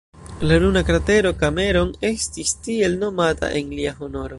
La luna kratero Cameron estis tiel nomata en lia honoro.